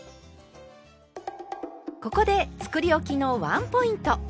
ここでつくりおきのワンポイント。